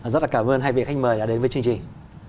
rất là cảm ơn hai vị khách mời đã đến với chương trình